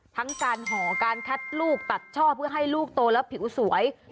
ทั้งการห่อการคัดลูกตัดช่อเพื่อให้ลูกโตแล้วผิวสวย